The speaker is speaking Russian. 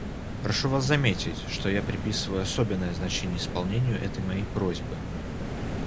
Прошу вас заметить, что я приписываю особенное значение исполнению этой моей просьбы.